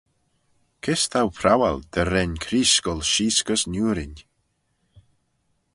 Kys t'ou prowal dy ren Creest goll sheese gys niurin?